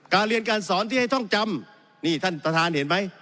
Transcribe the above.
เรียนการสอนที่ให้ท่องจำนี่ท่านประธานเห็นไหม